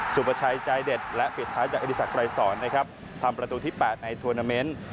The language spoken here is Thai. สูบประชายใจเด็ดและปิดท้ายจากอดีศกรายศรทำประตูที่๘ในทวอร์นาเมนต์